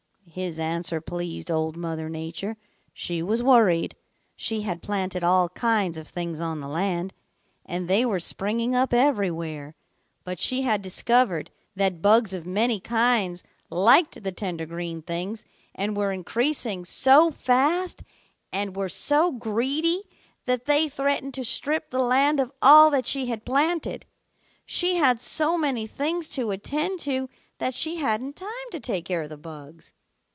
"His answer pleased Old Mother Nature. She was worried. She had planted all kinds of things on the land, and they were springing up everywhere, but she had discovered that bugs of many kinds liked the tender green things and were increasing so fast and were so greedy that they threatened to strip the land of all that she had planted. She had so many things to attend to that she hadn't time to take care of the bugs.